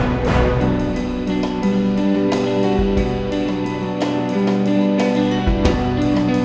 nanti bing bakso beratannya dua